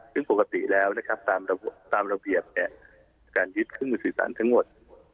ซึ่งปกติแล้วตามระเบียบการยึดเครื่องมือสื่อสารทั้งหมด